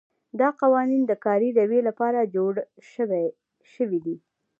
دا قوانین د کاري رویې لپاره جوړ شوي دي.